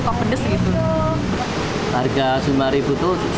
tapi suka pedas gitu